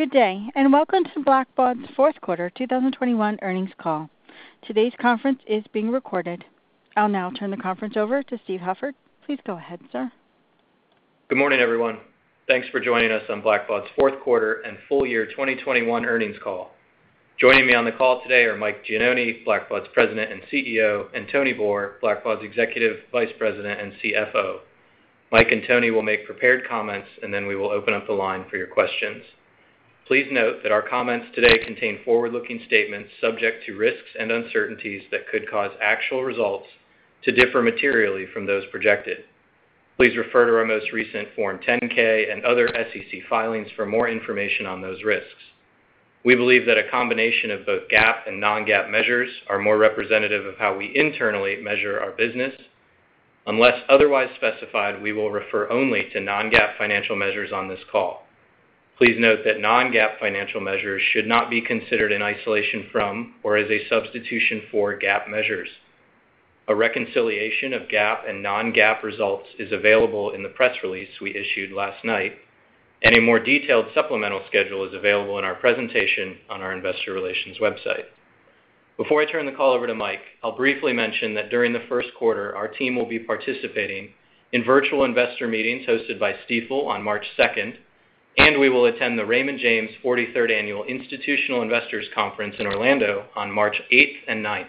Good day, and welcome to Blackbaud's fourth quarter 2021 earnings call. Today's conference is being recorded. I'll now turn the conference over to Steve Hufford. Please go ahead, sir. Good morning, everyone. Thanks for joining us on Blackbaud's fourth quarter and full year 2021 earnings call. Joining me on the call today are Mike Gianoni, Blackbaud's President and CEO, and Tony Boor, Blackbaud's Executive Vice President and CFO. Mike and Tony will make prepared comments, and then we will open up the line for your questions. Please note that our comments today contain forward-looking statements subject to risks and uncertainties that could cause actual results to differ materially from those projected. Please refer to our most recent Form 10-K and other SEC filings for more information on those risks. We believe that a combination of both GAAP and non-GAAP measures are more representative of how we internally measure our business. Unless otherwise specified, we will refer only to non-GAAP financial measures on this call. Please note that non-GAAP financial measures should not be considered in isolation from or as a substitution for GAAP measures. A reconciliation of GAAP and non-GAAP results is available in the press release we issued last night, and a more detailed supplemental schedule is available in our presentation on our investor relations website. Before I turn the call over to Mike, I'll briefly mention that during the first quarter, our team will be participating in virtual investor meetings hosted by Stifel on March second, and we will attend the Raymond James Forty-third Annual Institutional Investors Conference in Orlando on March eighth and ninth.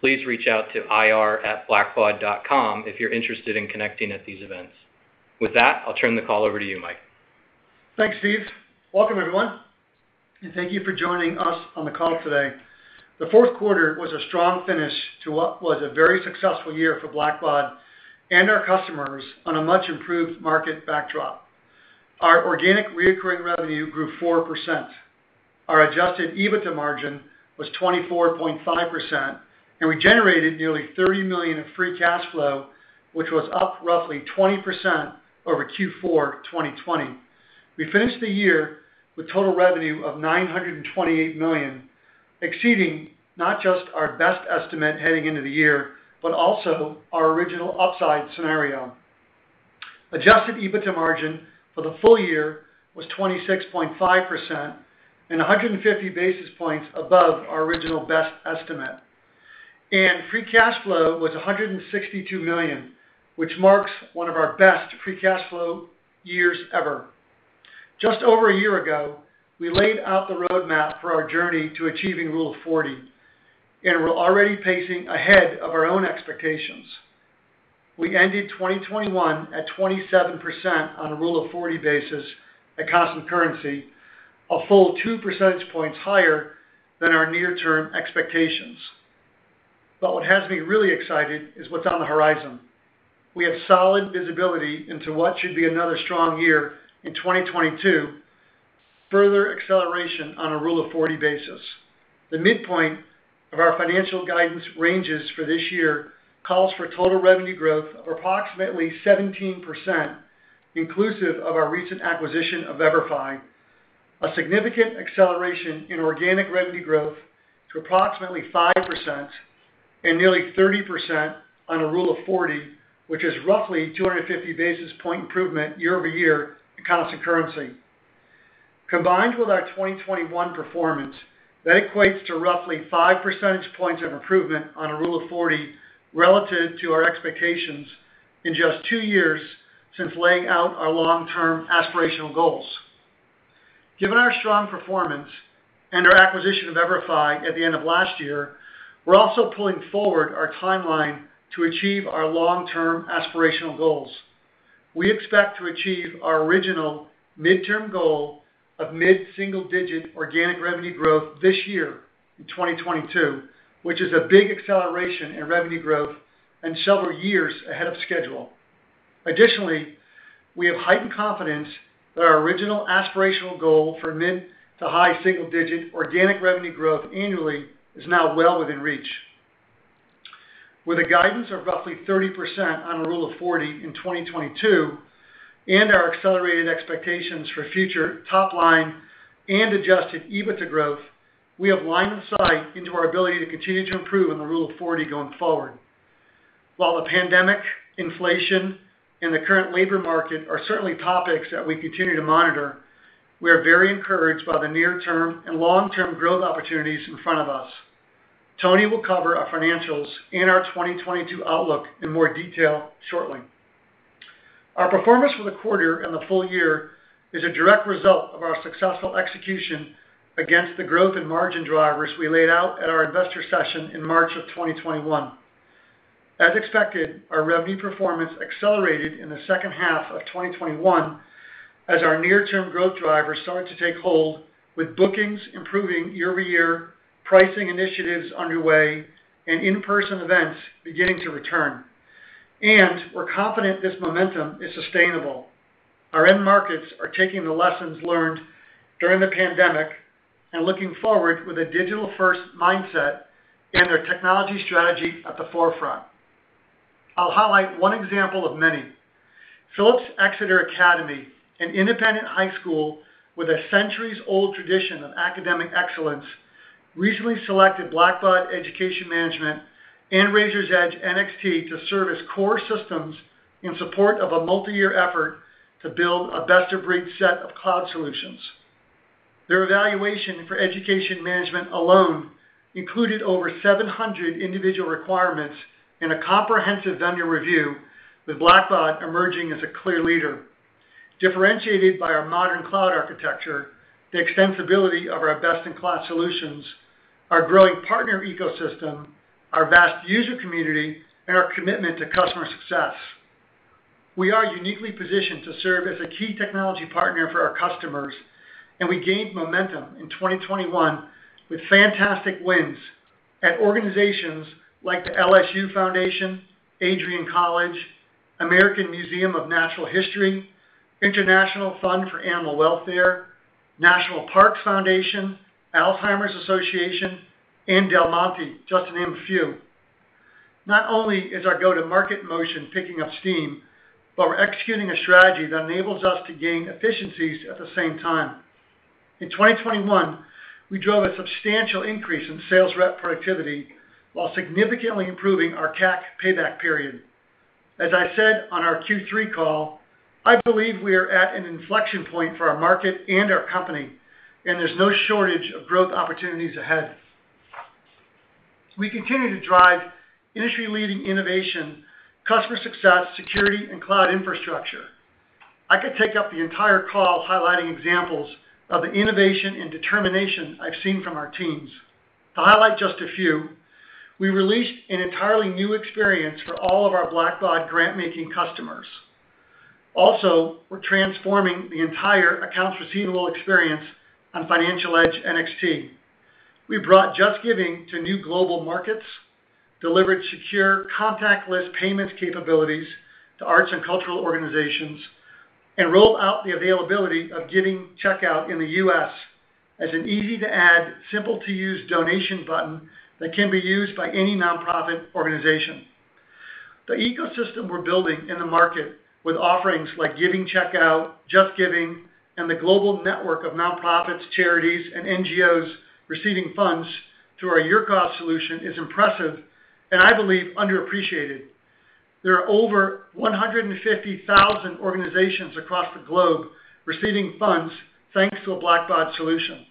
Please reach out to ir@blackbaud.com if you're interested in connecting at these events. With that, I'll turn the call over to you, Mike. Thanks, Steve. Welcome, everyone, and thank you for joining us on the call today. The fourth quarter was a strong finish to what was a very successful year for Blackbaud and our customers on a much-improved market backdrop. Our organic recurring revenue grew 4%. Our adjusted EBITDA margin was 24.5%, and we generated nearly $30 million in free cash flow, which was up roughly 20% over Q4 2020. We finished the year with total revenue of $928 million, exceeding not just our best estimate heading into the year, but also our original upside scenario. Adjusted EBITDA margin for the full year was 26.5% and 150 basis points above our original best estimate. Free cash flow was $162 million, which marks one of our best free cash flow years ever. Just over a year ago, we laid out the roadmap for our journey to achieving Rule of 40, and we're already pacing ahead of our own expectations. We ended 2021 at 27% on a Rule of 40 basis at constant currency, a full 2 percentage points higher than our near-term expectations. What has me really excited is what's on the horizon. We have solid visibility into what should be another strong year in 2022, further acceleration on a Rule of 40 basis. The midpoint of our financial guidance ranges for this year calls for total revenue growth of approximately 17%, inclusive of our recent acquisition of EVERFI, a significant acceleration in organic revenue growth to approximately 5% and nearly 30% on a Rule of 40, which is roughly 250 basis point improvement year-over-year at constant currency. Combined with our 2021 performance, that equates to roughly five percentage points of improvement on a Rule of 40 relative to our expectations in just two years since laying out our long-term aspirational goals. Given our strong performance and our acquisition of EVERFI at the end of last year, we're also pulling forward our timeline to achieve our long-term aspirational goals. We expect to achieve our original midterm goal of mid-single-digit organic revenue growth this year in 2022, which is a big acceleration in revenue growth and several years ahead of schedule. Additionally, we have heightened confidence that our original aspirational goal for mid- to high single-digit organic revenue growth annually is now well within reach. With a guidance of roughly 30% on a Rule of 40 in 2022 and our accelerated expectations for future top line and adjusted EBITDA growth, we have line of sight into our ability to continue to improve in the Rule of 40 going forward. While the pandemic, inflation, and the current labor market are certainly topics that we continue to monitor, we are very encouraged by the near-term and long-term growth opportunities in front of us. Tony will cover our financials and our 2022 outlook in more detail shortly. Our performance for the quarter and the full year is a direct result of our successful execution against the growth and margin drivers we laid out at our investor session in March of 2021. As expected, our revenue performance accelerated in the second half of 2021 as our near-term growth drivers started to take hold with bookings improving year over year, pricing initiatives underway, and in-person events beginning to return. We're confident this momentum is sustainable. Our end markets are taking the lessons learned during the pandemic and looking forward with a digital-first mindset and their technology strategy at the forefront. I'll highlight one example of many. Phillips Exeter Academy, an independent high school with a centuries-old tradition of academic excellence. Recently selected Blackbaud Education Management and Raiser's Edge NXT to serve as core systems in support of a multi-year effort to build a best-of-breed set of cloud solutions. Their evaluation for education management alone included over 700 individual requirements in a comprehensive vendor review, with Blackbaud emerging as a clear leader. Differentiated by our modern cloud architecture, the extensibility of our best-in-class solutions, our growing partner ecosystem, our vast user community, and our commitment to customer success. We are uniquely positioned to serve as a key technology partner for our customers, and we gained momentum in 2021 with fantastic wins at organizations like the LSU Foundation, Adrian College, American Museum of Natural History, International Fund for Animal Welfare, National Park Foundation, Alzheimer's Association, and Del Monte, just to name a few. Not only is our go-to-market motion picking up steam, but we're executing a strategy that enables us to gain efficiencies at the same time. In 2021, we drove a substantial increase in sales rep productivity while significantly improving our CAC payback period. As I said on our Q3 call, I believe we are at an inflection point for our market and our company, and there's no shortage of growth opportunities ahead. We continue to drive industry-leading innovation, customer success, security, and cloud infrastructure. I could take up the entire call highlighting examples of the innovation and determination I've seen from our teams. To highlight just a few, we released an entirely new experience for all of our Blackbaud Grantmaking customers. Also, we're transforming the entire accounts receivable experience on Financial Edge NXT. We brought JustGiving to new global markets, delivered secure contactless payments capabilities to arts and cultural organizations, and rolled out the availability of Giving Checkout in the U.S. as an easy-to-add, simple-to-use donation button that can be used by any nonprofit organization. The ecosystem we're building in the market with offerings like Giving Checkout, JustGiving, and the global network of nonprofits, charities, and NGOs receiving funds through our YourCause solution is impressive and, I believe, underappreciated. There are over 150,000 organizations across the globe receiving funds thanks to a Blackbaud solution.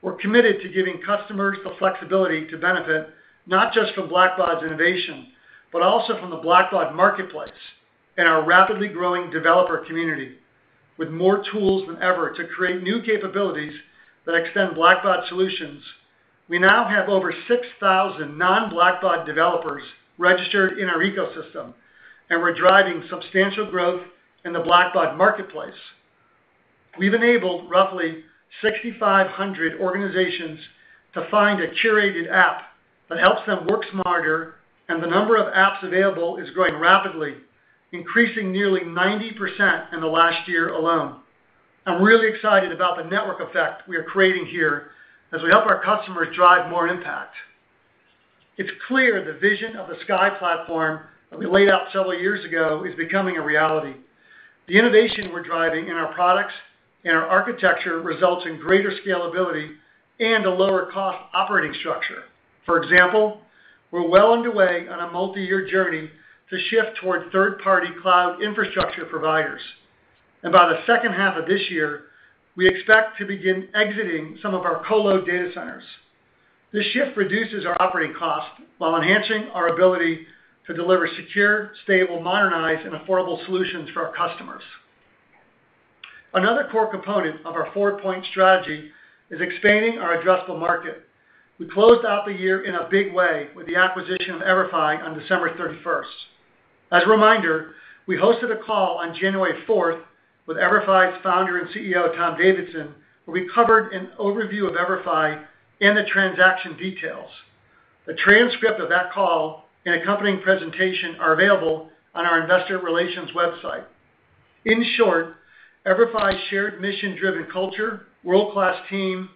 We're committed to giving customers the flexibility to benefit not just from Blackbaud's innovation, but also from the Blackbaud Marketplace and our rapidly growing developer community. With more tools than ever to create new capabilities that extend Blackbaud solutions, we now have over 6,000 non-Blackbaud developers registered in our ecosystem, and we're driving substantial growth in the Blackbaud Marketplace. We've enabled roughly 6,500 organizations to find a curated app that helps them work smarter, and the number of apps available is growing rapidly, increasing nearly 90% in the last year alone. I'm really excited about the network effect we are creating here as we help our customers drive more impact. It's clear the vision of the SKY Platform that we laid out several years ago is becoming a reality. The innovation we're driving in our products and our architecture results in greater scalability and a lower cost operating structure. For example, we're well underway on a multi-year journey to shift toward third-party cloud infrastructure providers. By the second half of this year, we expect to begin exiting some of our colo data centers. This shift reduces our operating cost while enhancing our ability to deliver secure, stable, modernized, and affordable solutions for our customers. Another core component of our four-point strategy is expanding our addressable market. We closed out the year in a big way with the acquisition of EVERFI on December thirty-first. As a reminder, we hosted a call on January fourth with EVERFI's founder and CEO, Tom Davidson, where we covered an overview of EVERFI and the transaction details. A transcript of that call and accompanying presentation are available on our investor relations website. In short, EVERFI's shared mission-driven culture, world-class team,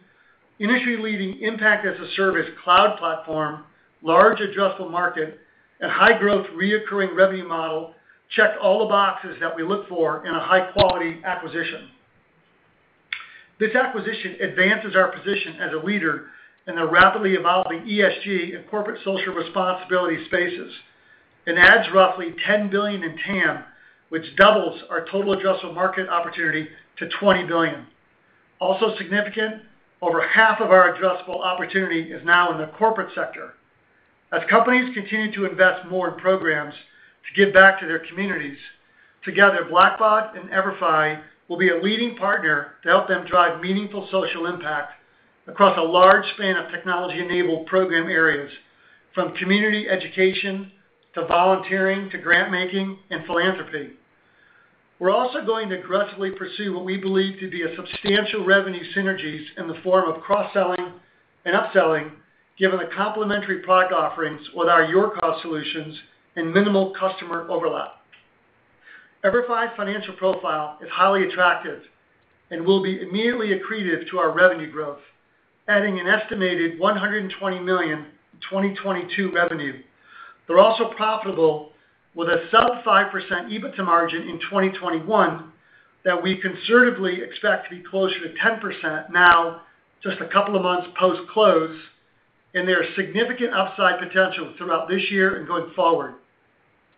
industry-leading Impact-as-a-Service cloud platform, large addressable market, and high-growth recurring revenue model checked all the boxes that we look for in a high-quality acquisition. This acquisition advances our position as a leader in the rapidly evolving ESG and corporate social responsibility spaces and adds roughly $10 billion in TAM, which doubles our total addressable market opportunity to $20 billion. Also significant, over half of our addressable opportunity is now in the corporate sector. As companies continue to invest more in programs to give back to their communities, together, Blackbaud and EVERFI will be a leading partner to help them drive meaningful social impact across a large span of technology-enabled program areas, from community education to volunteering to Grantmaking and philanthropy. We're also going to aggressively pursue what we believe to be a substantial revenue synergies in the form of cross-selling and upselling, given the complementary product offerings with our YourCause solutions and minimal customer overlap. EVERFI's financial profile is highly attractive and will be immediately accretive to our revenue growth, adding an estimated $120 million in 2022 revenue. They're also profitable with a sub 5% EBITDA margin in 2021 that we conservatively expect to be closer to 10% now just a couple of months post-close, and there are significant upside potential throughout this year and going forward.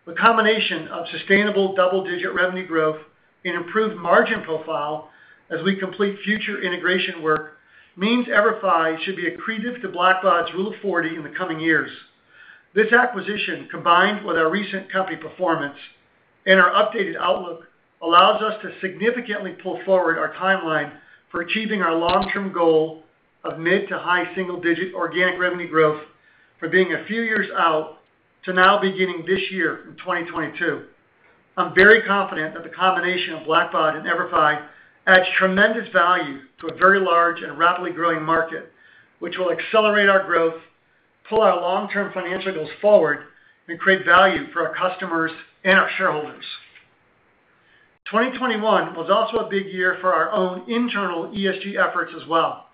The combination of sustainable double-digit revenue growth and improved margin profile as we complete future integration work means EVERFI should be accretive to Blackbaud's Rule of 40 in the coming years. This acquisition, combined with our recent company performance and our updated outlook, allows us to significantly pull forward our timeline for achieving our long-term goal of mid to high single-digit organic revenue growth from being a few years out to now beginning this year in 2022. I'm very confident that the combination of Blackbaud and EVERFI adds tremendous value to a very large and rapidly growing market, which will accelerate our growth, pull our long-term financial goals forward, and create value for our customers and our shareholders. 2021 was also a big year for our own internal ESG efforts as well.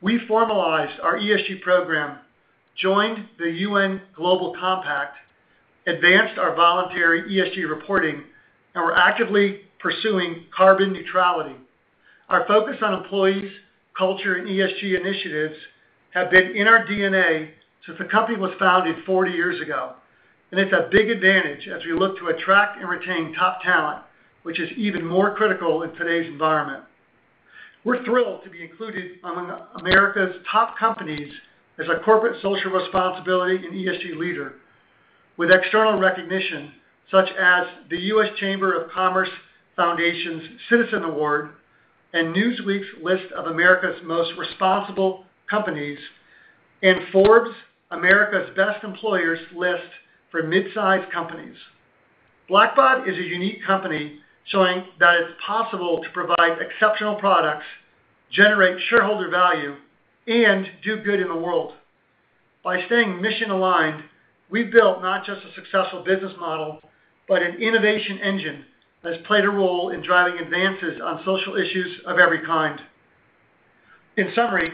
We formalized our ESG program, joined the UN Global Compact, advanced our voluntary ESG reporting, and we're actively pursuing carbon neutrality. Our focus on employees, culture, and ESG initiatives have been in our DNA since the company was founded 40 years ago, and it's a big advantage as we look to attract and retain top talent, which is even more critical in today's environment. We're thrilled to be included among America's top companies as a corporate social responsibility and ESG leader with external recognition such as the U.S. Chamber of Commerce Foundation's Citizen Award, and Newsweek's list of America's most responsible companies, and Forbes America's Best Employers list for midsize companies. Blackbaud is a unique company, showing that it's possible to provide exceptional products, generate shareholder value, and do good in the world. By staying mission-aligned, we've built not just a successful business model, but an innovation engine that has played a role in driving advances on social issues of every kind. In summary,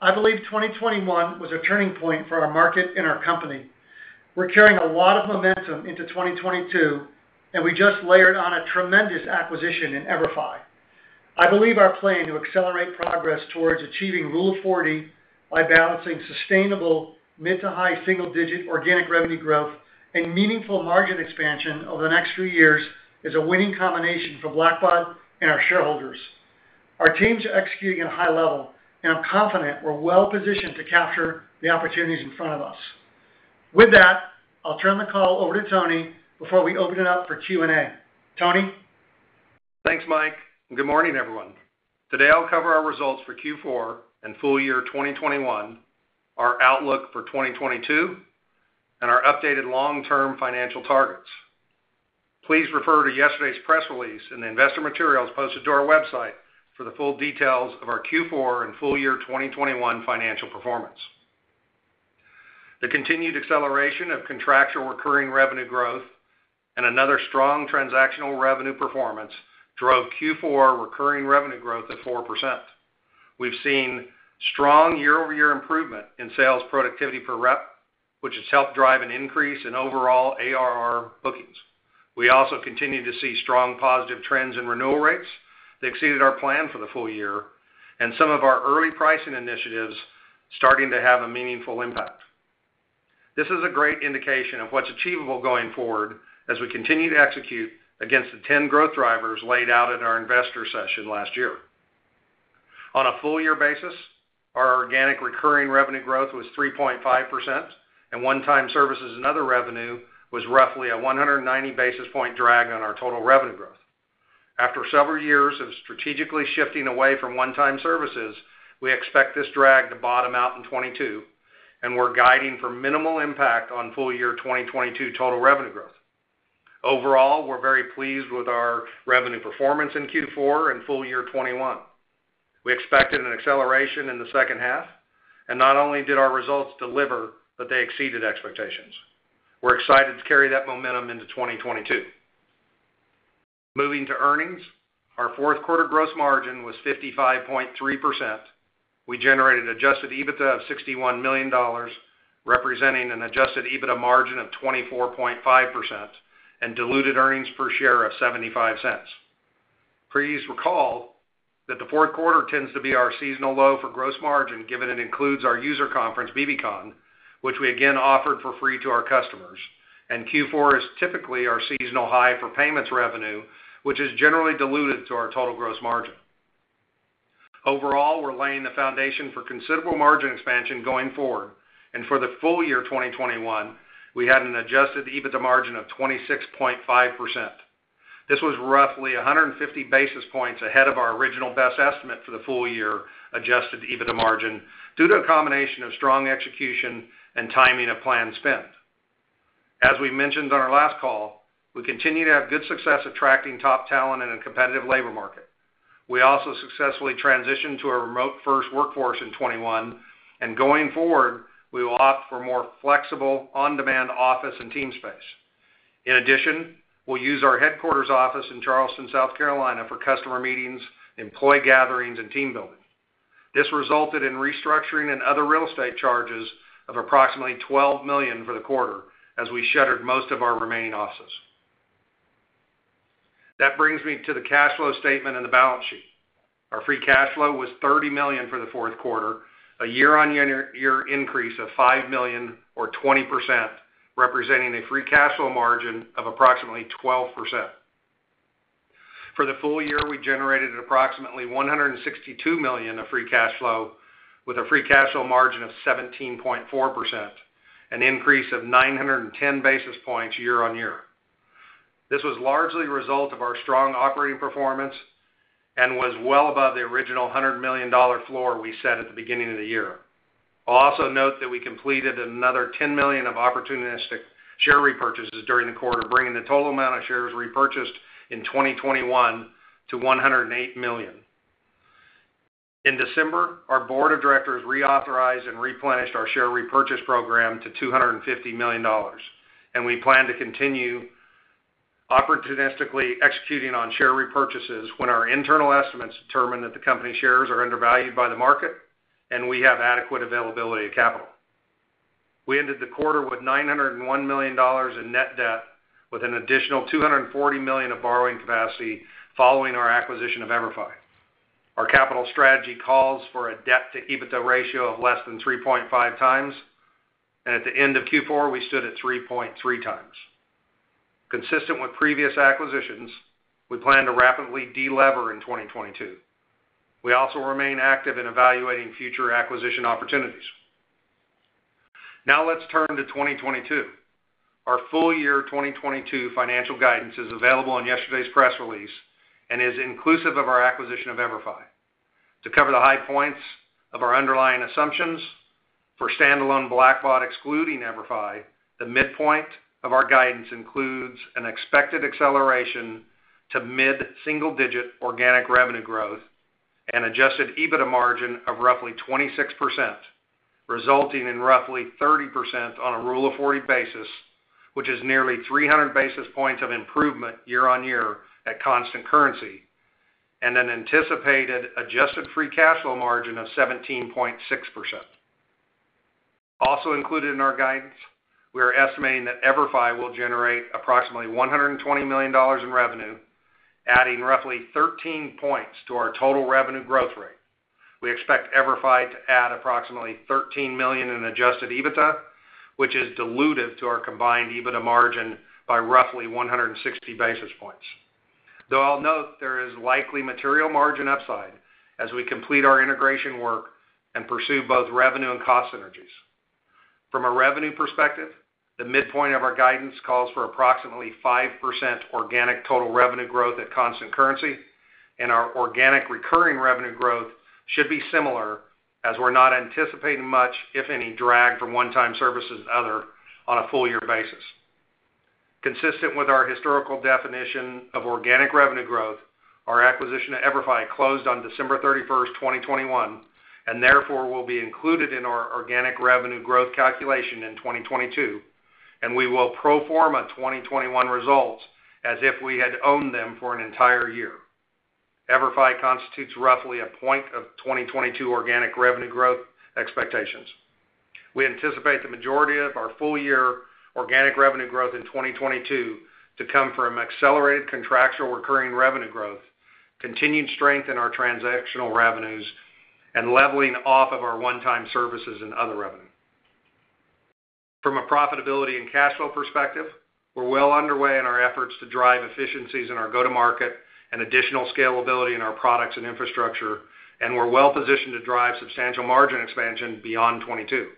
I believe 2021 was a turning point for our market and our company. We're carrying a lot of momentum into 2022, and we just layered on a tremendous acquisition in EVERFI. I believe our plan to accelerate progress towards achieving Rule of 40 by balancing sustainable mid- to high single-digit organic revenue growth and meaningful margin expansion over the next few years is a winning combination for Blackbaud and our shareholders. Our teams are executing at a high level, and I'm confident we're well-positioned to capture the opportunities in front of us. With that, I'll turn the call over to Tony before we open it up for Q&A. Tony? Thanks, Mike, and good morning, everyone. Today, I'll cover our results for Q4 and full year 2021, our outlook for 2022, and our updated long-term financial targets. Please refer to yesterday's press release and the investor materials posted to our website for the full details of our Q4 and full year 2021 financial performance. The continued acceleration of contractual recurring revenue growth and another strong transactional revenue performance drove Q4 recurring revenue growth of 4%. We've seen strong year-over-year improvement in sales productivity per rep, which has helped drive an increase in overall ARR bookings. We also continue to see strong positive trends in renewal rates that exceeded our plan for the full year and some of our early pricing initiatives starting to have a meaningful impact. This is a great indication of what's achievable going forward as we continue to execute against the 10 growth drivers laid out at our investor session last year. On a full year basis, our organic recurring revenue growth was 3.5%, and one-time services and other revenue was roughly a 190 basis point drag on our total revenue growth. After several years of strategically shifting away from one-time services, we expect this drag to bottom out in 2022, and we're guiding for minimal impact on full year 2022 total revenue growth. Overall, we're very pleased with our revenue performance in Q4 and full year 2021. We expected an acceleration in the second half, and not only did our results deliver, but they exceeded expectations. We're excited to carry that momentum into 2022. Moving to earnings. Our fourth quarter gross margin was 55.3%. We generated adjusted EBITDA of $61 million, representing an adjusted EBITDA margin of 24.5%, and diluted earnings per share of $0.75. Please recall that the fourth quarter tends to be our seasonal low for gross margin, given it includes our user conference, bbcon, which we again offered for free to our customers. Q4 is typically our seasonal high for payments revenue, which is generally diluted to our total gross margin. Overall, we're laying the foundation for considerable margin expansion going forward. For the full year 2021, we had an adjusted EBITDA margin of 26.5%. This was roughly 150 basis points ahead of our original best estimate for the full year adjusted EBITDA margin due to a combination of strong execution and timing of planned spend. As we mentioned on our last call, we continue to have good success attracting top talent in a competitive labor market. We also successfully transitioned to a remote-first workforce in 2021, and going forward, we will opt for more flexible on-demand office and team space. In addition, we'll use our headquarters office in Charleston, South Carolina, for customer meetings, employee gatherings, and team building. This resulted in restructuring and other real estate charges of approximately $12 million for the quarter as we shuttered most of our remaining offices. That brings me to the cash flow statement and the balance sheet. Our free cash flow was $30 million for the fourth quarter, a year-on-year increase of $5 million or 20%, representing a free cash flow margin of approximately 12%. For the full year, we generated approximately $162 million of free cash flow with a free cash flow margin of 17.4%, an increase of 910 basis points year-on-year. This was largely a result of our strong operating performance and was well above the original $100 million floor we set at the beginning of the year. I'll also note that we completed another $10 million of opportunistic share repurchases during the quarter, bringing the total amount of shares repurchased in 2021 to $108 million. In December, our board of directors reauthorized and replenished our share repurchase program to $250 million, and we plan to continue opportunistically executing on share repurchases when our internal estimates determine that the company shares are undervalued by the market and we have adequate availability of capital. We ended the quarter with $901 million in net debt, with an additional $240 million of borrowing capacity following our acquisition of EVERFI. Our capital strategy calls for a debt-to-EBITDA ratio of less than 3.5x. At the end of Q4, we stood at 3.3x. Consistent with previous acquisitions, we plan to rapidly de-lever in 2022. We also remain active in evaluating future acquisition opportunities. Now let's turn to 2022. Our full year 2022 financial guidance is available on yesterday's press release and is inclusive of our acquisition of EVERFI. To cover the high points of our underlying assumptions for standalone Blackbaud excluding EVERFI, the midpoint of our guidance includes an expected acceleration to mid-single-digit organic revenue growth and adjusted EBITDA margin of roughly 26%, resulting in roughly 30% on a Rule of 40 basis, which is nearly 300 basis points of improvement year-on-year at constant currency, and an anticipated adjusted free cash flow margin of 17.6%. Also included in our guidance, we are estimating that EVERFI will generate approximately $120 million in revenue, adding roughly 13 points to our total revenue growth rate. We expect EVERFI to add approximately $13 million in adjusted EBITDA, which is dilutive to our combined EBITDA margin by roughly 160 basis points. Though I'll note there is likely material margin upside as we complete our integration work and pursue both revenue and cost synergies. From a revenue perspective, the midpoint of our guidance calls for approximately 5% organic total revenue growth at constant currency, and our organic recurring revenue growth should be similar as we're not anticipating much, if any, drag from one-time services and other on a full year basis. Consistent with our historical definition of organic revenue growth, our acquisition of EverFi closed on December 31, 2021, and therefore will be included in our organic revenue growth calculation in 2022, and we will pro forma 2021 results as if we had owned them for an entire year. EverFi constitutes roughly 1 point of 2022 organic revenue growth expectations. We anticipate the majority of our full-year organic revenue growth in 2022 to come from accelerated contractual recurring revenue growth, continued strength in our transactional revenues, and leveling off of our one-time services and other revenue. From a profitability and cash flow perspective, we're well underway in our efforts to drive efficiencies in our go-to-market and additional scalability in our products and infrastructure, and we're well positioned to drive substantial margin expansion beyond twenty-two. We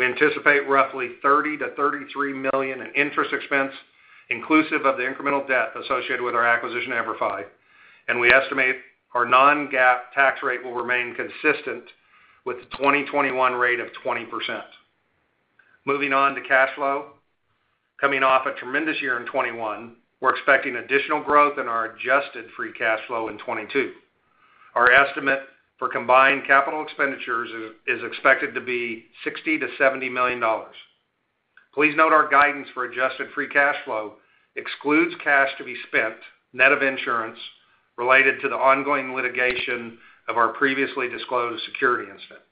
anticipate roughly $30 million-$33 million in interest expense inclusive of the incremental debt associated with our acquisition of EVERFI, and we estimate our non-GAAP tax rate will remain consistent with the 2021 rate of 20%. Moving on to cash flow. Coming off a tremendous year in 2021, we're expecting additional growth in our adjusted free cash flow in 2022. Our estimate for combined capital expenditures is expected to be $60 million-$70 million. Please note our guidance for adjusted free cash flow excludes cash to be spent, net of insurance, related to the ongoing litigation of our previously disclosed security incident.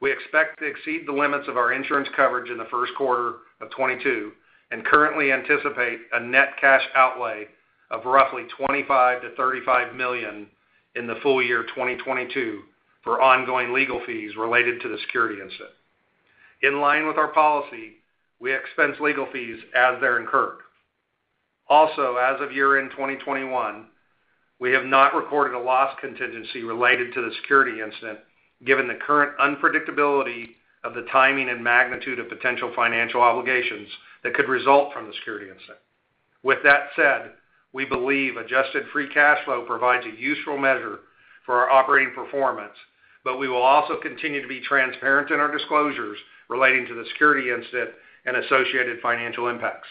We expect to exceed the limits of our insurance coverage in the first quarter of 2022 and currently anticipate a net cash outlay of roughly $25 million-$35 million in the full year 2022 for ongoing legal fees related to the security incident. In line with our policy, we expense legal fees as they're incurred. Also, as of year-end 2021, we have not recorded a loss contingency related to the security incident given the current unpredictability of the timing and magnitude of potential financial obligations that could result from the security incident. With that said, we believe adjusted free cash flow provides a useful measure for our operating performance, but we will also continue to be transparent in our disclosures relating to the security incident and associated financial impacts.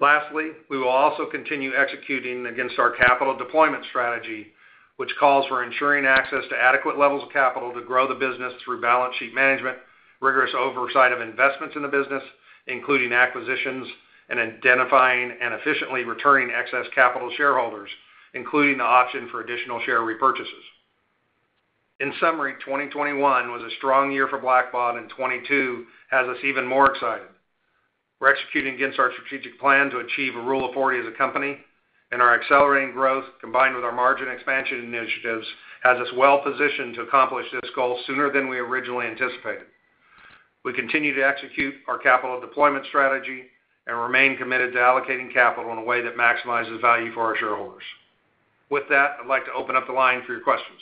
Lastly, we will also continue executing against our capital deployment strategy, which calls for ensuring access to adequate levels of capital to grow the business through balance sheet management, rigorous oversight of investments in the business, including acquisitions, and identifying and efficiently returning excess capital to shareholders, including the option for additional share repurchases. In summary, 2021 was a strong year for Blackbaud, and 2022 has us even more excited. We're executing against our strategic plan to achieve a Rule of 40 as a company, and our accelerating growth, combined with our margin expansion initiatives, has us well positioned to accomplish this goal sooner than we originally anticipated. We continue to execute our capital deployment strategy and remain committed to allocating capital in a way that maximizes value for our shareholders. With that, I'd like to open up the line for your questions.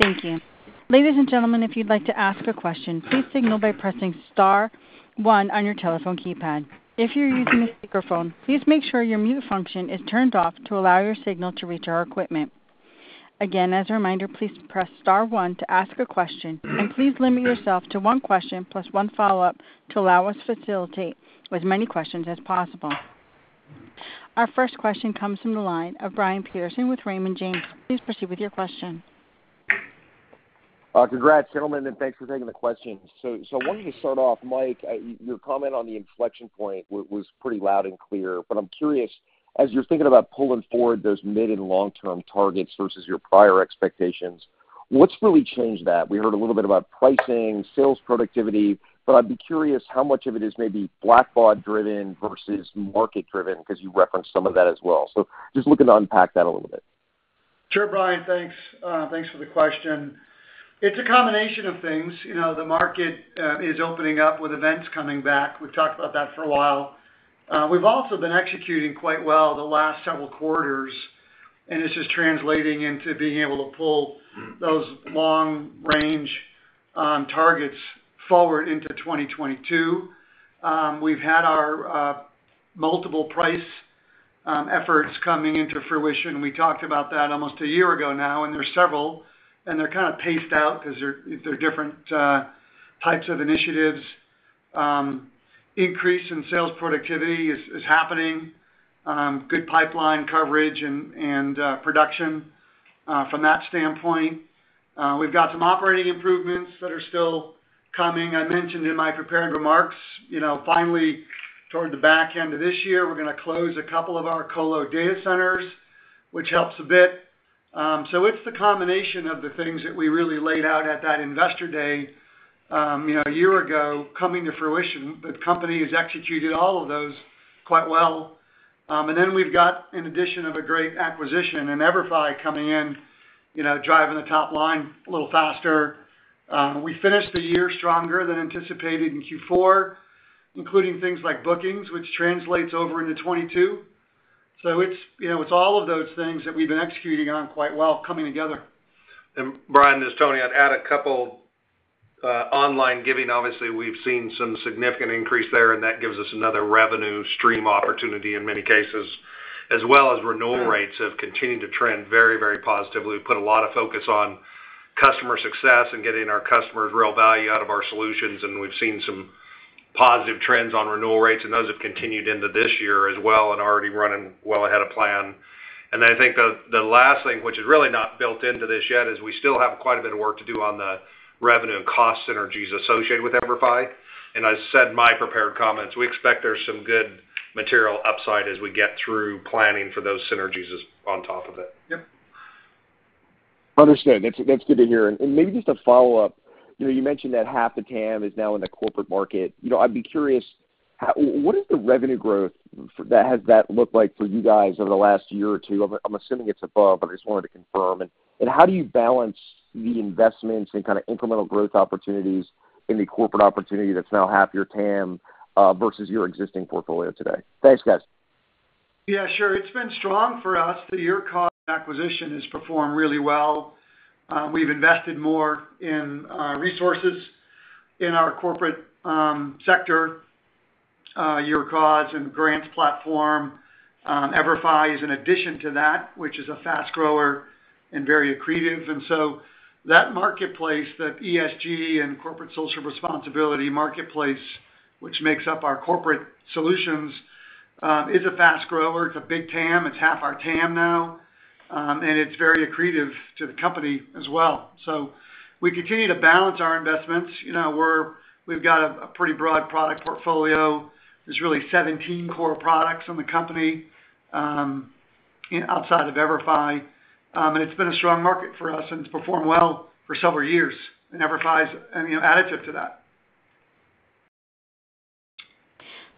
Thank you. Ladies and gentlemen, if you'd like to ask a question, please signal by pressing star one on your telephone keypad. If you're using a microphone, please make sure your mute function is turned off to allow your signal to reach our equipment. Again, as a reminder, please press star one to ask a question, and please limit yourself to one question plus one follow-up to allow us to facilitate as many questions as possible. Our first question comes from the line of Brian Peterson with Raymond James. Please proceed with your question. Congrats, gentlemen, and thanks for taking the questions. Why don't you start off, Mike, your comment on the inflection point was pretty loud and clear, but I'm curious, as you're thinking about pulling forward those mid and long-term targets versus your prior expectations, what's really changed that? We heard a little bit about pricing, sales productivity, but I'd be curious how much of it is maybe Blackbaud-driven versus market-driven, 'cause you referenced some of that as well. Just looking to unpack that a little bit. Sure, Brian, thanks. Thanks for the question. It's a combination of things. You know, the market is opening up with events coming back. We've talked about that for a while. We've also been executing quite well the last several quarters, and it's just translating into being able to pull those long range targets forward into 2022. We've had our multiple price efforts coming into fruition. We talked about that almost a year ago now, and there's several. They're kinda paced out 'cause they're different types of initiatives. Increase in sales productivity is happening. Good pipeline coverage and production from that standpoint. We've got some operating improvements that are still coming. I mentioned in my prepared remarks, you know, finally, toward the back end of this year, we're gonna close a couple of our colo data centers, which helps a bit. It's the combination of the things that we really laid out at that investor day, you know, a year ago coming to fruition. The company has executed all of those quite well. We've got an addition of a great acquisition and EVERFI coming in, you know, driving the top line a little faster. We finished the year stronger than anticipated in Q4, including things like bookings, which translates over into 2022. It's, you know, it's all of those things that we've been executing on quite well coming together. Brian, this is Tony. I'd add a couple. Online giving, obviously, we've seen some significant increase there, and that gives us another revenue stream opportunity in many cases, as well as renewal rates have continued to trend very, very positively. We've put a lot of focus on customer success and getting our customers real value out of our solutions, and we've seen some positive trends on renewal rates, and those have continued into this year as well and already running well ahead of plan. Then I think the last thing, which is really not built into this yet, is we still have quite a bit of work to do on the revenue and cost synergies associated with EVERFI. I said in my prepared comments, we expect there's some good material upside as we get through planning for those synergies as on top of it. Yep. Understood. That's good to hear. Maybe just a follow-up. You know, you mentioned that half the TAM is now in the corporate market. You know, I'd be curious, what has the revenue growth looked like for you guys over the last year or two? I'm assuming it's above. I just wanted to confirm. How do you balance the investments and kinda incremental growth opportunities in the corporate opportunity that's now half your TAM versus your existing portfolio today? Thanks, guys. Yeah, sure. It's been strong for us. The YourCause acquisition has performed really well. We've invested more in resources in our corporate sector, YourCause and GIFTS platform. EVERFI is an addition to that, which is a fast grower and very accretive. that marketplace, that ESG and corporate social responsibility marketplace, which makes up our corporate solutions, is a fast grower. It's a big TAM. It's half our TAM now. and it's very accretive to the company as well. We continue to balance our investments. You know, we've got a pretty broad product portfolio. There's really 17 core products in the company, you know, outside of EVERFI. it's been a strong market for us, and it's performed well for several years. EVERFI's, you know, additive to that.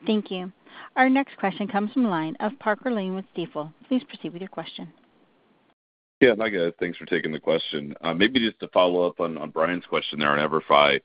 Thank you. Our next question comes from the line of Parker Lane with Stifel. Please proceed with your question. Yeah, Mike. Thanks for taking the question. Maybe just to follow up on Brian's question there on EVERFI.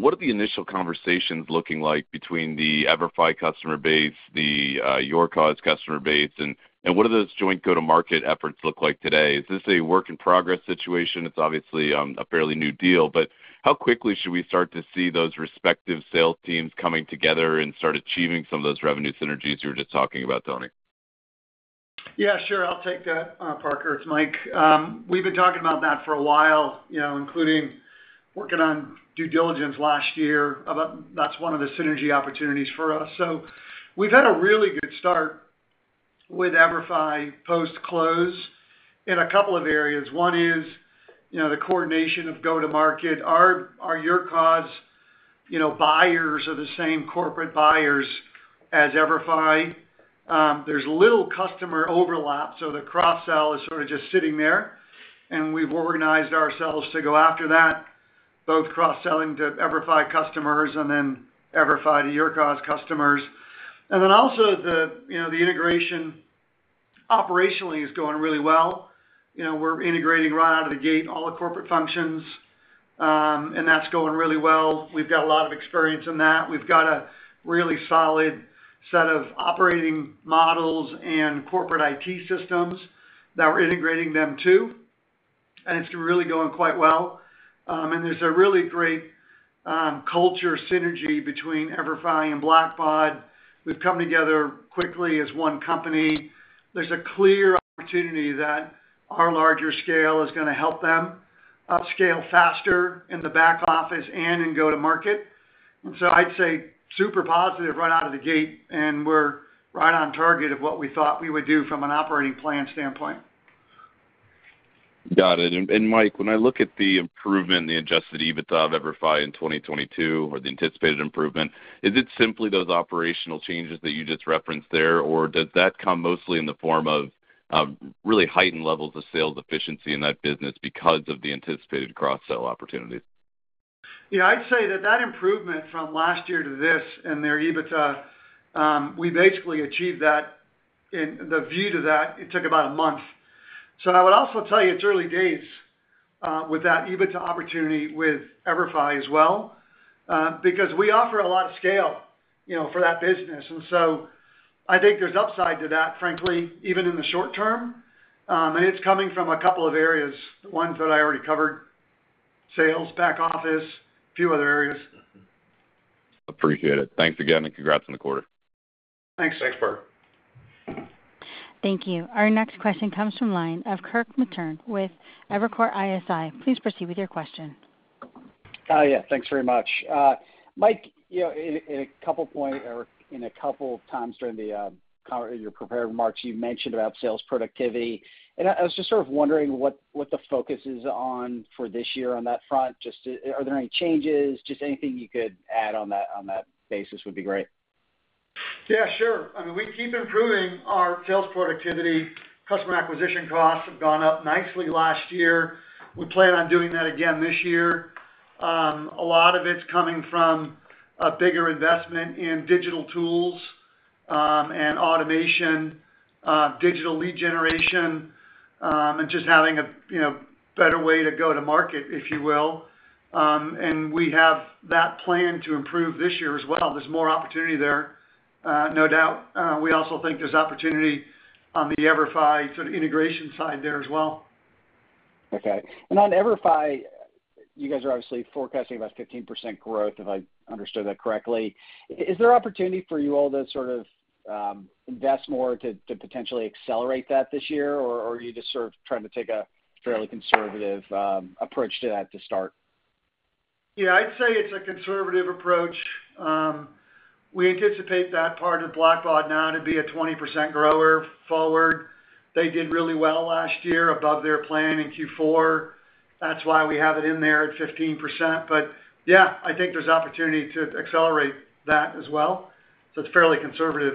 What are the initial conversations looking like between the EVERFI customer base, the YourCause customer base, and what are those joint go-to-market efforts look like today? Is this a work in progress situation? It's obviously a fairly new deal, but how quickly should we start to see those respective sales teams coming together and start achieving some of those revenue synergies you were just talking about, Tony? Yeah, sure. I'll take that, Parker. It's Mike. We've been talking about that for a while, you know, including working on due diligence last year about that. That's one of the synergy opportunities for us. We've had a really good start with EVERFI post-close in a couple of areas. One is, you know, the coordination of go-to-market. Our YourCause. You know, buyers are the same corporate buyers as EVERFI. There's little customer overlap, so the cross-sell is sort of just sitting there, and we've organized ourselves to go after that, both cross-selling to EVERFI customers and then EVERFI to YourCause customers. The integration operationally is going really well. You know, we're integrating right out of the gate all the corporate functions, and that's going really well. We've got a lot of experience in that. We've got a really solid set of operating models and corporate IT systems that we're integrating them to, and it's really going quite well. There's a really great culture synergy between EVERFI and Blackbaud. We've come together quickly as one company. There's a clear opportunity that our larger scale is gonna help them upscale faster in the back office and in go-to-market. I'd say super positive right out of the gate, and we're right on target of what we thought we would do from an operating plan standpoint. Got it. Mike, when I look at the improvement in the adjusted EBITDA of EVERFI in 2022 or the anticipated improvement, is it simply those operational changes that you just referenced there, or does that come mostly in the form of really heightened levels of sales efficiency in that business because of the anticipated cross-sell opportunities? Yeah, I'd say that improvement from last year to this in their EBITDA. We basically achieved that in the first two months. It took about a month. I would also tell you it's early days with that EBITDA opportunity with EVERFI as well, because we offer a lot of scale, you know, for that business. I think there's upside to that, frankly, even in the short term. It's coming from a couple of areas, ones that I already covered, sales, back office, a few other areas. Appreciate it. Thanks again, and congrats on the quarter. Thanks. Thank you. Our next question comes from the line of Kirk Materne with Evercore ISI. Please proceed with your question. Yeah, thanks very much. Mike, you know, in a couple of times during the kind of in your prepared remarks, you mentioned about sales productivity. I was just sort of wondering what the focus is on for this year on that front. Just, are there any changes? Just anything you could add on that basis would be great. Yeah, sure. I mean, we keep improving our sales productivity. Customer acquisition costs have gone up nicely last year. We plan on doing that again this year. A lot of it's coming from a bigger investment in digital tools, and automation, digital lead generation, and just having a, you know, better way to go to market, if you will. We have that plan to improve this year as well. There's more opportunity there, no doubt. We also think there's opportunity on the EVERFI sort of integration side there as well. Okay. On EVERFI, you guys are obviously forecasting about 15% growth, if I understood that correctly. Is there opportunity for you all to sort of invest more to potentially accelerate that this year, or are you just sort of trying to take a fairly conservative approach to that to start? Yeah, I'd say it's a conservative approach. We anticipate that part of Blackbaud now to be a 20% grower forward. They did really well last year above their plan in Q4. That's why we have it in there at 15%. But yeah, I think there's opportunity to accelerate that as well. It's fairly conservative.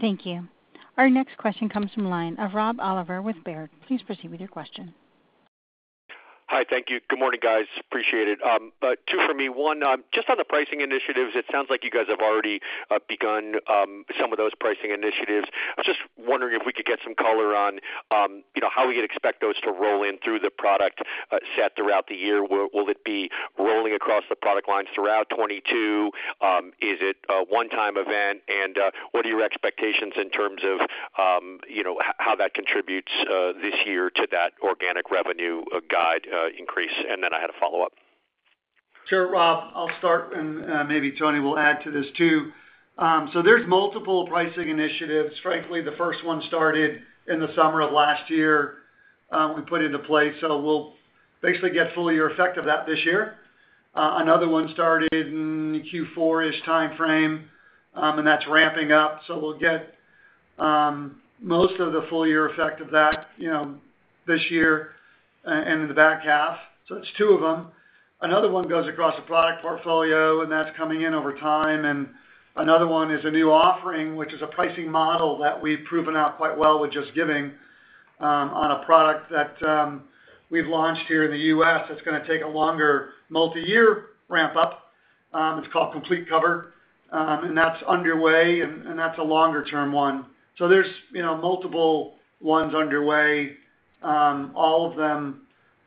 Thank you. Our next question comes from the line of Rob Oliver with Baird. Please proceed with your question. Hi. Thank you. Good morning, guys. Appreciate it. Two for me. One, just on the pricing initiatives, it sounds like you guys have already begun some of those pricing initiatives. I was just wondering if we could get some color on, you know, how we could expect those to roll in through the product set throughout the year. Will it be rolling across the product lines throughout 2022? Is it a one-time event? And what are your expectations in terms of, you know, how that contributes this year to that organic revenue guidance increase? And then I had a follow-up. Sure, Rob. I'll start and, maybe Tony will add to this too. There's multiple pricing initiatives. Frankly, the first one started in the summer of last year, we put into place. We'll basically get full year effect of that this year. Another one started in Q4 timeframe, and that's ramping up. We'll get, most of the full year effect of that, you know, this year and in the back half. It's two of them. Another one goes across the product portfolio, and that's coming in over time. Another one is a new offering, which is a pricing model that we've proven out quite well with JustGiving, on a product that, we've launched here in the U.S. that's gonna take a longer multi-year ramp up. It's called Complete Cover, and that's underway and that's a longer-term one. There's, you know, multiple ones underway. All of them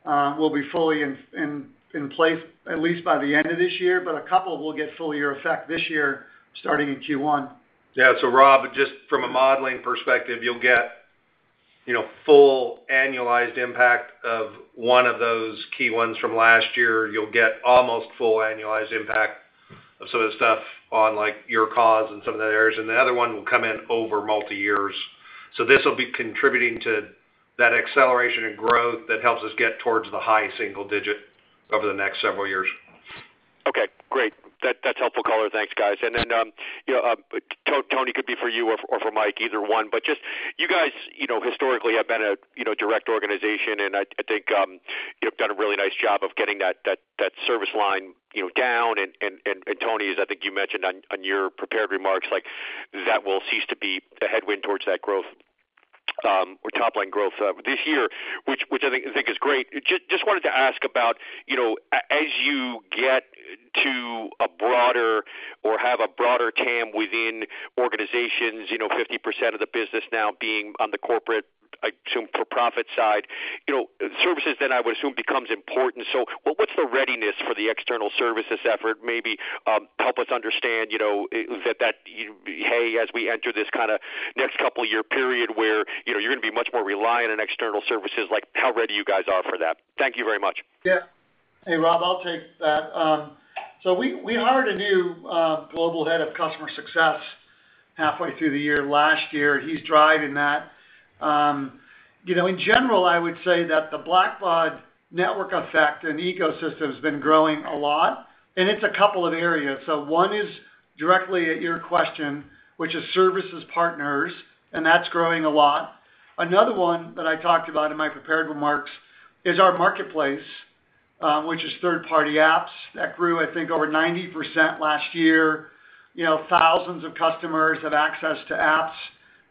will be fully in place at least by the end of this year, but a couple will get full year effect this year, starting in Q1. Yeah. Rob, just from a modeling perspective, you'll get, you know, full annualized impact of one of those key ones from last year. You'll get almost full annualized impact of some of the stuff on, like, YourCause and some of the others, and the other one will come in over multi years. This will be contributing to that acceleration and growth that helps us get towards the high single digit over the next several years. Okay, great. That's helpful color. Thanks, guys. Tony, this could be for you or for Mike, either one, but just you guys, you know, historically have been a direct organization, and I think you've done a really nice job of getting that service line down. Tony, as I think you mentioned on your prepared remarks, like that will cease to be a headwind towards that growth or top line growth this year, which I think is great. Just wanted to ask about, you know, as you get to a broader or have a broader TAM within organizations, you know, 50% of the business now being on the corporate, I assume, for-profit side, you know, services then I would assume becomes important. What's the readiness for the external services effort? Maybe help us understand, you know, that hey, as we enter this kinda next couple year period where, you know, you're gonna be much more reliant on external services, like how ready you guys are for that. Thank you very much. Yeah. Hey, Rob, I'll take that. We hired a new global head of customer success halfway through the year last year. He's driving that. You know, in general, I would say that the Blackbaud network effect and ecosystem has been growing a lot, and it's a couple of areas. One is directly at your question, which is services partners, and that's growing a lot. Another one that I talked about in my prepared remarks is our marketplace, which is third-party apps. That grew, I think, over 90% last year. You know, thousands of customers have access to apps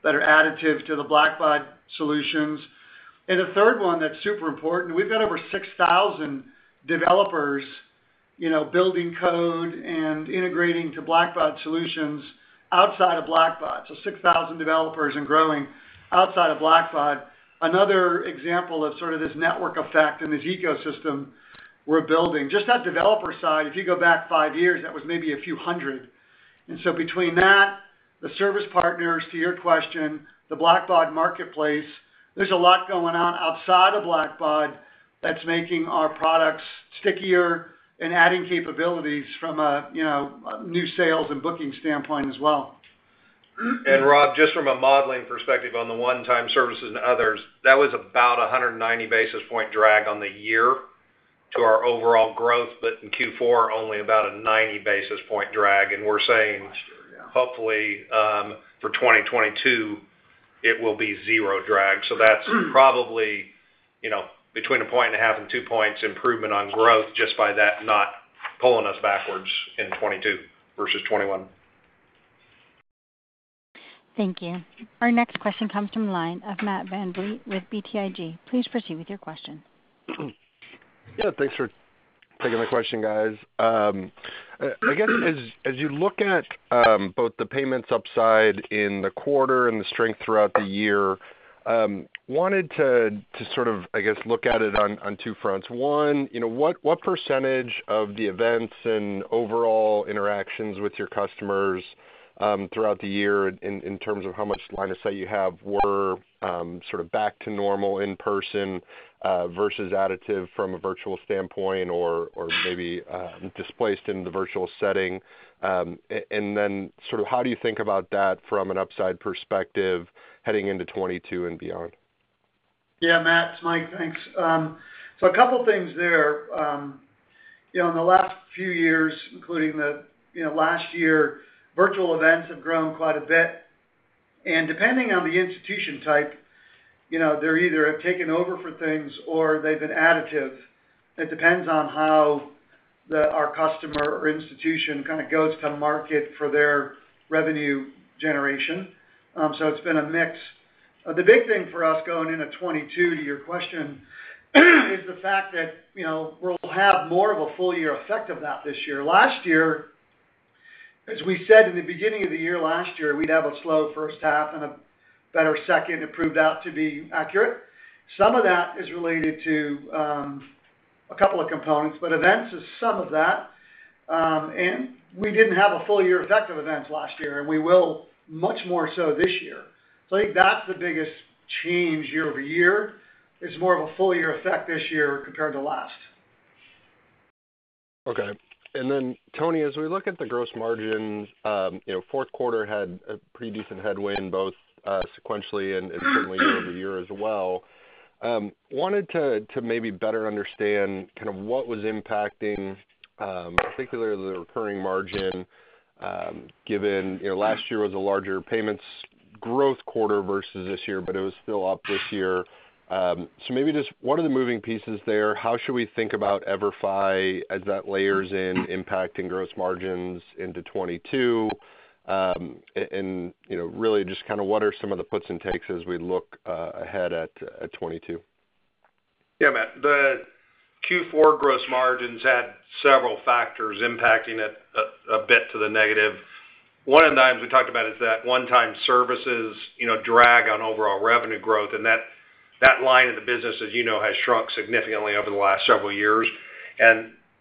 that are additive to the Blackbaud solutions. A third one that's super important, we've got over 6,000 developers, you know, building code and integrating to Blackbaud solutions outside of Blackbaud. 6,000 developers and growing outside of Blackbaud. Another example of sort of this network effect and this ecosystem we're building. Just that developer side, if you go back five years, that was maybe a few hundred. Between that, the service partners, to your question, the Blackbaud Marketplace, there's a lot going on outside of Blackbaud that's making our products stickier and adding capabilities from a, you know, new sales and booking standpoint as well. Rob, just from a modeling perspective on the one-time services and others, that was about 190 basis point drag on the year to our overall growth. In Q4, only about a 90 basis point drag. We're saying- Last year, yeah. Hopefully, for 2022 it will be zero drag. That's probably, you know, between 1.5% and 2% improvement on growth just by that not pulling us backwards in 2022 versus 2021. Thank you. Our next question comes from the line of Matt VanVliet with BTIG. Please proceed with your question. Yeah, thanks for taking the question, guys. I guess as you look at both the payments upside in the quarter and the strength throughout the year, wanted to sort of, I guess, look at it on two fronts. One, you know, what percentage of the events and overall interactions with your customers throughout the year in terms of how much line of sight you have were sort of back to normal in person versus additive from a virtual standpoint or maybe displaced in the virtual setting? Sort of how do you think about that from an upside perspective heading into 2022 and beyond? Yeah, Matt, it's Mike. Thanks. A couple things there. You know, in the last few years, including the, you know, last year, virtual events have grown quite a bit. Depending on the institution type, you know, they're either have taken over for things or they've been additive. It depends on how their customer or institution kind of goes to market for their revenue generation. It's been a mix. The big thing for us going into 2022, to your question, is the fact that, you know, we'll have more of a full year effect of that this year. Last year, as we said in the beginning of the year last year, we'd have a slow first half and a better second. It proved out to be accurate. Some of that is related to a couple of components, but events is some of that. We didn't have a full year effect of events last year, and we will much more so this year. I think that's the biggest change year over year is more of a full year effect this year compared to last. Okay. Then Tony, as we look at the gross margins, you know, fourth quarter had a pretty decent headwind both, sequentially and certainly year-over-year as well. Wanted to maybe better understand kind of what was impacting, particularly the recurring margin, given, you know, last year was a larger payments growth quarter versus this year, but it was still up this year. Maybe just what are the moving pieces there? How should we think about EVERFI as that layers in impacting gross margins into 2022? And, you know, really just kinda what are some of the puts and takes as we look ahead at 2022? Yeah, Matt. The Q4 gross margins had several factors impacting it a bit to the negative. One of the items we talked about is that one-time services, you know, drag on overall revenue growth, and that line of the business, as you know, has shrunk significantly over the last several years.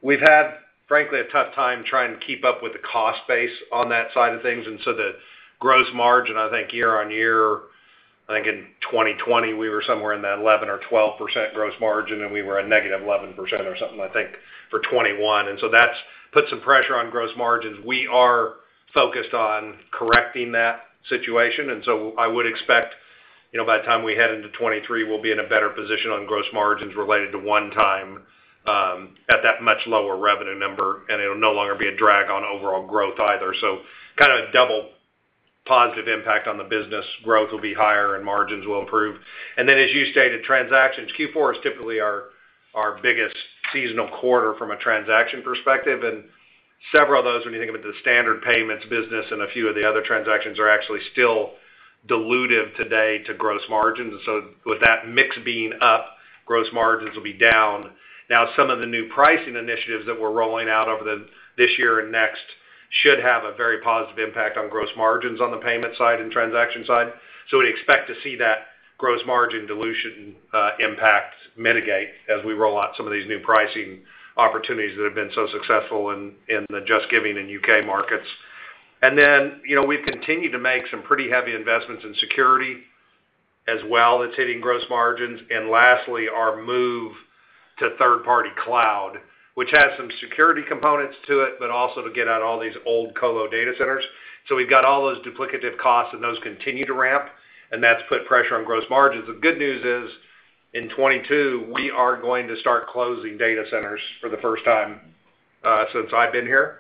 We've had, frankly, a tough time trying to keep up with the cost base on that side of things. The gross margin, I think year-over-year, I think in 2020 we were somewhere in that 11% or 12% gross margin, and we were a -11% or something, I think, for 2021. That's put some pressure. Gross margins, we are focused on correcting that situation. I would expect, you know, by the time we head into 2023, we'll be in a better position on gross margins related to one time at that much lower revenue number, and it'll no longer be a drag on overall growth either. Kind of double positive impact on the business. Growth will be higher and margins will improve. As you stated, transactions, Q4 is typically our biggest seasonal quarter from a transaction perspective. Several of those, when you think about the standard payments business and a few of the other transactions, are actually still dilutive today to gross margins. With that mix being up, gross margins will be down. Now, some of the new pricing initiatives that we're rolling out over this year and next should have a very positive impact on gross margins on the payment side and transaction side. We expect to see that gross margin dilution, impact mitigate as we roll out some of these new pricing opportunities that have been so successful in the JustGiving and U.K. markets. Then, you know, we've continued to make some pretty heavy investments in security as well that's hitting gross margins. Lastly, our move to third party cloud, which has some security components to it, but also to get out all these old colo data centers. We've got all those duplicative costs and those continue to ramp, and that's put pressure on gross margins. The good news is in 2022, we are going to start closing data centers for the first time since I've been here.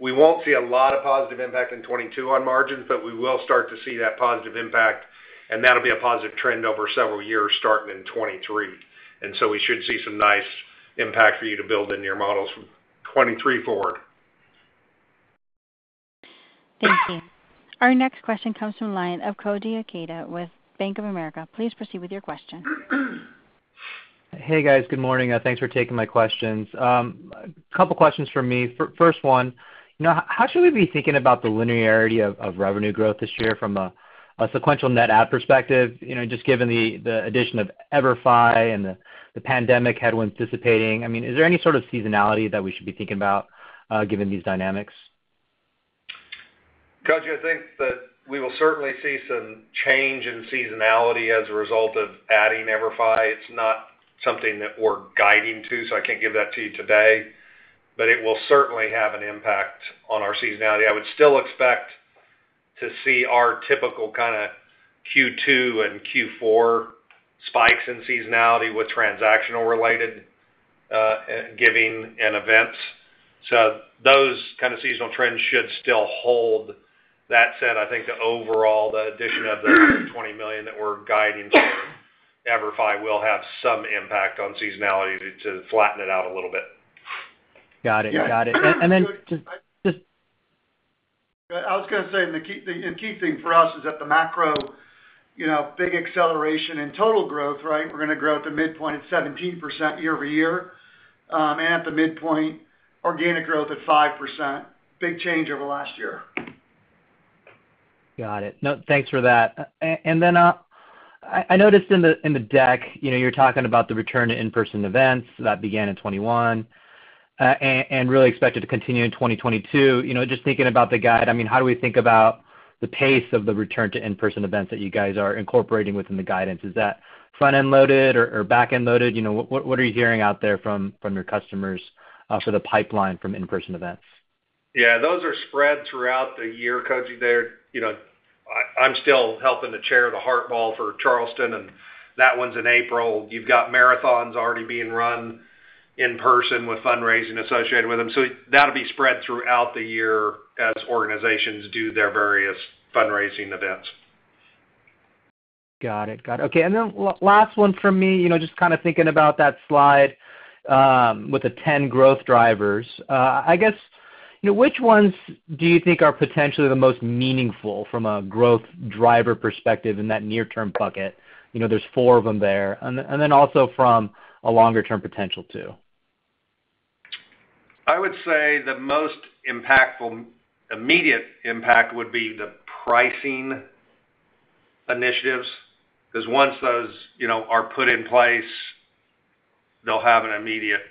We won't see a lot of positive impact in 2022 on margins, but we will start to see that positive impact, and that'll be a positive trend over several years starting in 2023. We should see some nice impact for you to build in your models from 2023 forward. Thank you. Our next question comes from the line of Koji Ikeda with Bank of America. Please proceed with your question. Hey, guys. Good morning. Thanks for taking my questions. A couple questions from me. First one, you know, how should we be thinking about the linearity of revenue growth this year from a sequential net add perspective, you know, just given the addition of EVERFI and the pandemic headwinds dissipating. I mean, is there any sort of seasonality that we should be thinking about, given these dynamics? Koji, I think that we will certainly see some change in seasonality as a result of adding EVERFI. It's not something that we're guiding to, so I can't give that to you today, but it will certainly have an impact on our seasonality. I would still expect to see our typical kinda Q2 and Q4 spikes in seasonality with transactional related giving and events. Those kind of seasonal trends should still hold. That said, I think the overall, the addition of the $20 million that we're guiding to EVERFI will have some impact on seasonality to flatten it out a little bit. Got it. I was gonna say the key thing for us is that the macro, you know, big acceleration in total growth, right? We're gonna grow at the midpoint at 17% year-over-year, and at the midpoint organic growth at 5%. Big change over last year. Got it. No, thanks for that. I noticed in the deck, you know, you're talking about the return to in-person events that began in 2021, really expected to continue in 2022. You know, just thinking about the guide, I mean, how do we think about the pace of the return to in-person events that you guys are incorporating within the guidance? Is that front-end loaded or back-end loaded? You know, what are you hearing out there from your customers for the pipeline from in-person events? Yeah, those are spread throughout the year, Koji, there. You know, I'm still helping to chair the Heart Ball for Charleston, and that one's in April. You've got marathons already being run in person with fundraising associated with them. That'll be spread throughout the year as organizations do their various fundraising events. Got it. Okay. Last one for me, you know, just kinda thinking about that slide with the 10 growth drivers. I guess, you know, which ones do you think are potentially the most meaningful from a growth driver perspective in that near term bucket? You know, there's four of them there. Then also from a longer term potential too. I would say the most impactful immediate impact would be the pricing initiatives, 'cause once those, you know, are put in place, they'll have an immediate,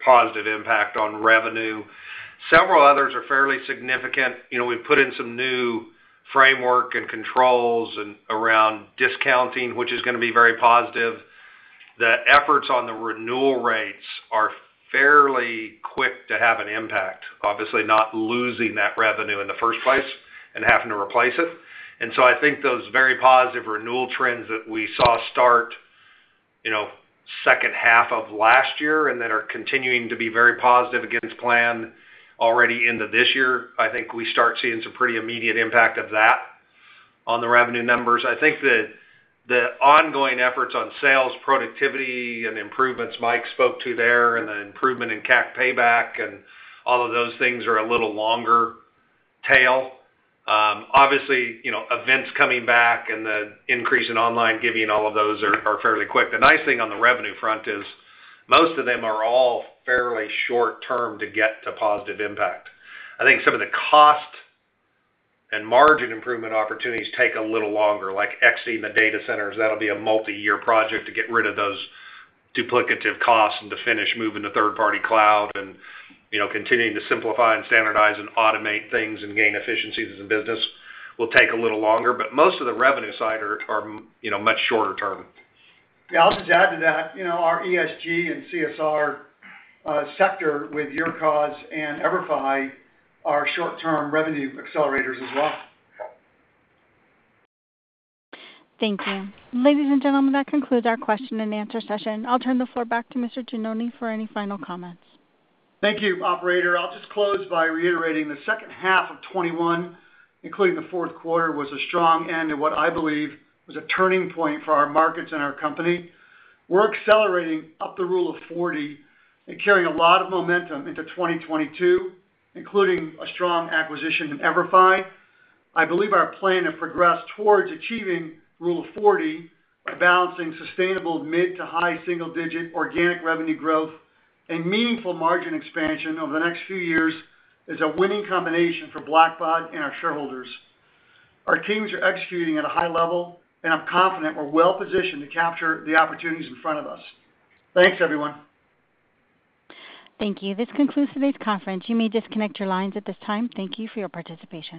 positive impact on revenue. Several others are fairly significant. You know, we've put in some new framework and controls and around discounting, which is gonna be very positive. The efforts on the renewal rates are fairly quick to have an impact, obviously not losing that revenue in the first place and having to replace it. I think those very positive renewal trends that we saw start, you know, second half of last year and that are continuing to be very positive against plan already into this year, I think we start seeing some pretty immediate impact of that on the revenue numbers. I think that the ongoing efforts on sales productivity and improvements Mike spoke to there and the improvement in CAC payback and all of those things are a little longer tail. Obviously, you know, events coming back and the increase in online giving and all of those are fairly quick. The nice thing on the revenue front is most of them are all fairly short term to get to positive impact. I think some of the cost and margin improvement opportunities take a little longer, like exiting the data centers, that'll be a multi-year project to get rid of those duplicative costs and to finish moving to third party cloud and, you know, continuing to simplify and standardize and automate things and gain efficiencies in business will take a little longer. Most of the revenue side are, you know, much shorter term. I'll just add to that. You know, our ESG and CSR sector with YourCause and EVERFI are short term revenue accelerators as well. Thank you. Ladies and gentlemen, that concludes our question and answer session. I'll turn the floor back to Mike Gianoni for any final comments. Thank you, operator. I'll just close by reiterating the second half of 2021, including the fourth quarter, was a strong end to what I believe was a turning point for our markets and our company. We're accelerating up the Rule of 40 and carrying a lot of momentum into 2022, including a strong acquisition in EVERFI. I believe our plan to progress towards achieving Rule of 40 by balancing sustainable mid to high single digit organic revenue growth and meaningful margin expansion over the next few years is a winning combination for Blackbaud and our shareholders. Our teams are executing at a high level, and I'm confident we're well-positioned to capture the opportunities in front of us. Thanks, everyone. Thank you. This concludes today's conference. You may disconnect your lines at this time. Thank you for your participation.